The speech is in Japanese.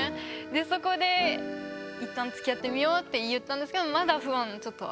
でそこで「一旦つきあってみよう」って言ったんですけどそうね。